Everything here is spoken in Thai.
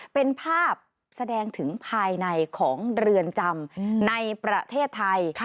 เป็นภาพแสดงถึงภายในของเรือนจำในประเทศไทย